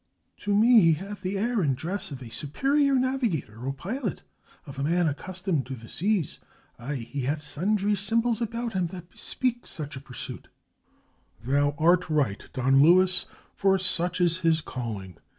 "To me, he hath the air and dress of a superior navi gator or pilot — of a man accustomed to the seas — aye, 474 A GLIMPSE OF COLUMBUS IN SPAIN he hath sundry symbols about him that bespeak such a pursuit." ''Thou art right, Don Luis, for such is his calling.